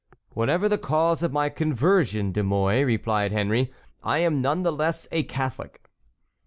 "Whatever the cause of my conversion, De Mouy," replied Henry, "I am none the less a Catholic."